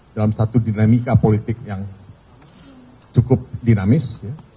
dalam satu dinamika politik yang cukup dinamis